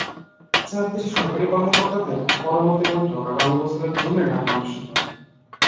চার দেশের সরকারি কর্ম-কর্তাদের পরবর্তী বৈঠক আগামী বছরের জুনে ঢাকায় অনুষ্ঠিত হবে।